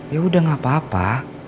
ya udah gapapa